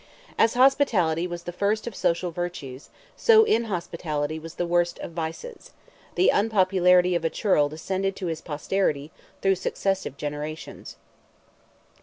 As hospitality was the first of social virtues, so inhospitality was the worst of vices; the unpopularity of a churl descended to his posterity through successive generations.